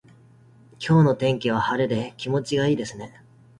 今日の天気は晴れで気持ちがいいですね。